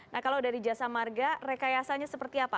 nah kalau dari jasa marga rekayasanya seperti apa